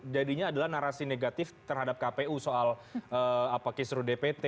jadinya adalah narasi negatif terhadap kpu soal kisru dpt